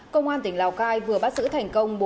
công an tỉnh lào cai vừa bắt giữ thành công